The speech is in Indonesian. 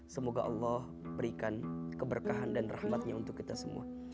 semoga allah berikan keberkahan dan rahmatnya untuk kita semua